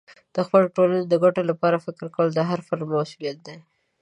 د خپلې ټولنې د ګټو لپاره فکر کول د هر فرد مسئولیت دی.